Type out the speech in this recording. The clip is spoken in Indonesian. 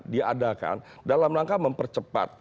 diadakan dalam langkah mempercepat